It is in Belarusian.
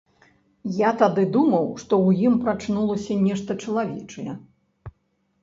Я тады думаў, што ў ім прачнулася нешта чалавечае.